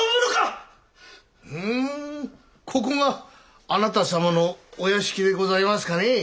ふんここがあなた様のお屋敷でございますかねぇ。